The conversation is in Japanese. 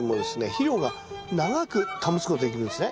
肥料が長く保つことできるんですね。